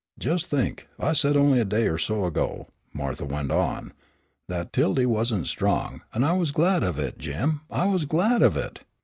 "Jes' think, I said, only a day or so ago," Martha went on, "that 'Tildy wasn't strong; an' I was glad of it, Jim, I was glad of it!